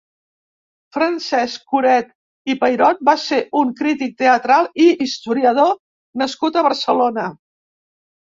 Francesc Curet i Payrot va ser un crític teatral i historiador nascut a Barcelona.